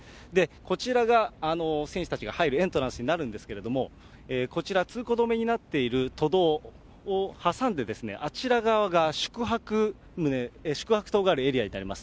こちらが選手たちが入るエントランスになるんですけれども、こちら、通行止めになっている都道を挟んで、あちら側が宿泊棟、宿泊棟があるエリアになります。